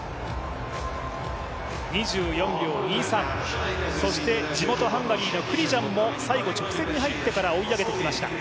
２４秒２３、そして地元ハンガリーのクリジャンも最後直線に入ってから追い上げてきました。